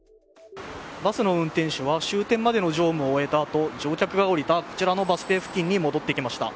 バスの運転手は終点までの乗務を終えたあと乗客が降りた、こちらのバス停付近に戻ってきました。